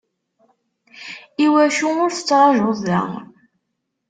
Iwacu ur tettrajuḍ da?